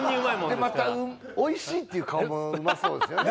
でまたおいしいっていう顔もうまそうですよね。